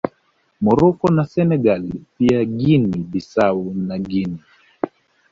Morocco na Senegal pia Guinea Bissau na Guinea